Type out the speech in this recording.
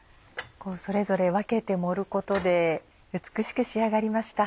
それぞれ分けて盛ることで美しく仕上がりました。